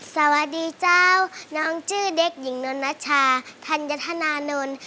สวัสดีเจ้าน้องชื่อเด็กหญิงนนัชชาธัญธนานนท์